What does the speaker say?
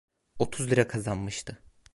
Otuz lira kazanmıştı.